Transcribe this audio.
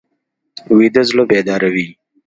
ویده زړه بیداره وي